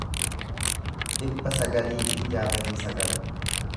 dhibba sagalii fi jaatamii sagal